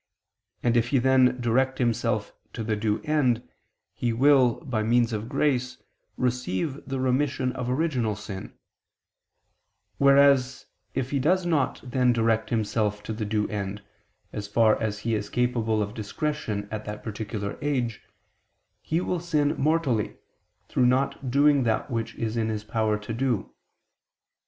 And if he then direct himself to the due end, he will, by means of grace, receive the remission of original sin: whereas if he does not then direct himself to the due end, as far as he is capable of discretion at that particular age, he will sin mortally, through not doing that which is in his power to do.